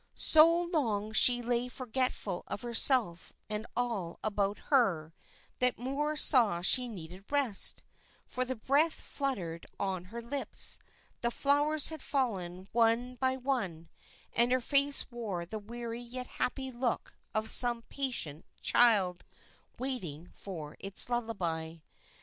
So long she lay forgetful of herself and all about her, that Moor saw she needed rest, for the breath fluttered on her lips, the flowers had fallen one by one, and her face wore the weary yet happy look of some patient child waiting for its lullaby.